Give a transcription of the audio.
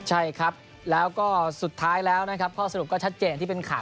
ใช่ครับแล้วก็สุดท้ายแล้วนะครับข้อสรุปก็ชัดเจนที่เป็นข่าว